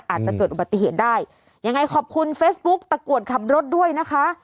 อาจจะเกิดอุบัติเหตุได้ยังไงขอบคุณเฟซบุ๊กตะกรวดขับรถด้วยนะคะ